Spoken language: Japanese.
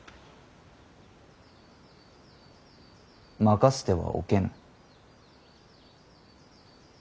任せてはおけぬ。